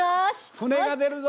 船が出るぞ！